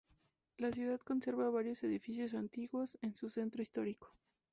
La ciudad conserva varios edificios antiguos en su centro histórico.